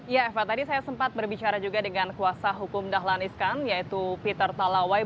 ya eva tadi saya sempat berbicara juga dengan kuasa hukum dahlan iskan yaitu peter talawai